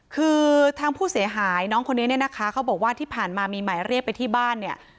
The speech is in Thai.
คือทางผู้เสียหายน้องคนนี้เนี่ยนะคะเขาบอกว่าที่ผ่านมามีหมายเรียกไปที่บ้านเนี่ย